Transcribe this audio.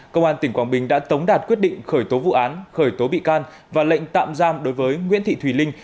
công an tỉnh quảng bình đã tống đạt quyết định khởi tố vụ án khởi tố bị can và lệnh tạm giam đối với nguyễn thị thùy linh